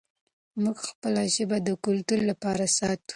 موږ خپله ژبه د کلتور لپاره ساتو.